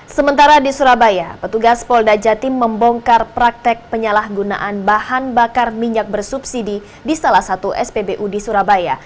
sementara di surabaya petugas polda jatim membongkar praktek penyalahgunaan bahan bakar minyak bersubsidi di salah satu spbu di surabaya